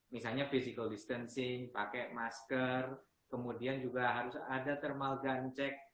misalnya physical distancing pakai masker kemudian juga harus ada thermal guncek